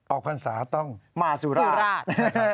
ออกภรรษาต้องมาสุราช